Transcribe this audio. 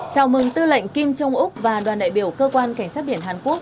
chào mừng tư lệnh kim trung úc và đoàn đại biểu cơ quan cảnh sát biển hàn quốc